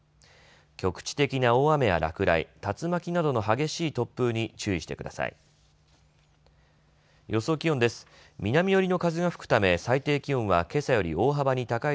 局地的な大雨や落雷、竜巻などの激しい突風に注意してください。